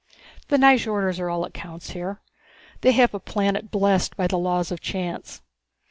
The Nyjorders are all that counts here. They have a planet blessed by the laws of chance.